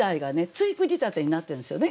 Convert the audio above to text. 対句仕立てになってるんですよね。